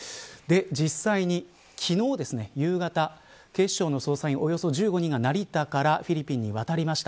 実際に、昨日夕方警視庁の捜査員、およそ１５人が成田からフィリピンに渡りました。